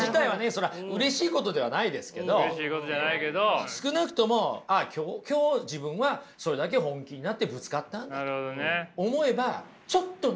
そりゃうれしいことではないですけど少なくとも今日自分はそれだけ本気になってぶつかったんだと思えばちょっとね。